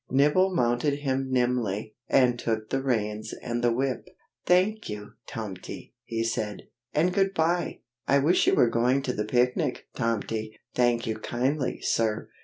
Nibble mounted him nimbly, and took the reins and the whip. "Thank you, Tomty!" he said. "And good bye! I wish you were going to the picnic, Tomty!" "Thank you kindly, sir!"